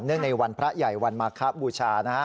เนื่องในวันพระใหญ่วันมาครับบูชา